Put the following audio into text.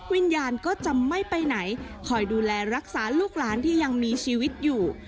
วิญญาณก็จะไม่ไปไหนคอยดูแลรักษาลูกหลานที่ยังมีชีวิตอยู่